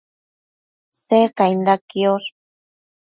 Secainda quiosh